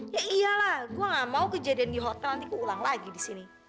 ya iyalah gue nggak mau kejadian di hotel nanti keulang lagi di sini